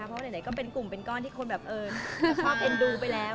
เพราะว่าอ่ะไหนก็เป็นกลุ่มที่คนแบบเอกนดูไปแล้ว